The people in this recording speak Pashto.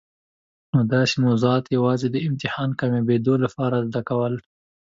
نو داسي موضوعات یوازي د امتحان کامیابېدو لپاره زده کول.